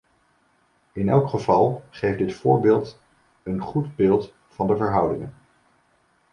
In elk geval geeft dit voorbeeld een goed beeld van de verhoudingen.